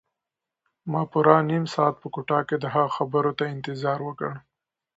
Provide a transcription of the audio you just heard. ما پوره نیم ساعت په کوټه کې د هغه خبرو ته انتظار وکړ.